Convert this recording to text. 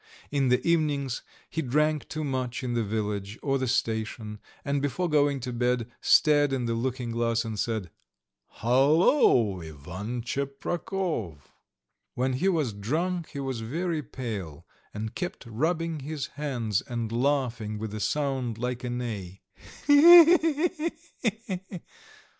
In the evenings he drank too much in the village or the station, and before going to bed stared in the looking glass and said: "Hullo, Ivan Tcheprakov." When he was drunk he was very pale, and kept rubbing his hands and laughing with a sound like a neigh: "hee hee hee!"